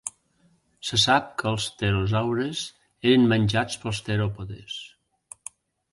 Se sap que els pterosaures eren menjats pels teròpodes.